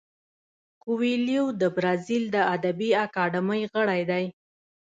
کویلیو د برازیل د ادبي اکاډمۍ غړی دی.